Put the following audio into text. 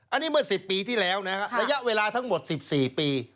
อันนี้เมื่อ๑๐ปีที่แล้วนะฮะระยะเวลาทั้งหมด๑๔ปี